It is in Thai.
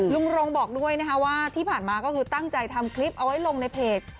รงบอกด้วยนะคะว่าที่ผ่านมาก็คือตั้งใจทำคลิปเอาไว้ลงในเพจ